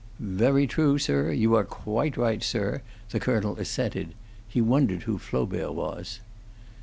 "Very true, sir; you are quite right, sir," the colonel assented; he wondered who Flaubert was.